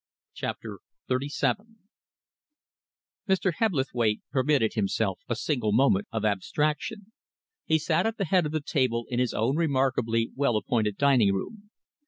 CHAPTER XXXVII Mr. Hebblethwaite permitted himself a single moment of abstraction. He sat at the head of the table in his own remarkably well appointed dining room.